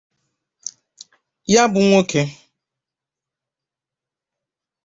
Ya bụ nwoke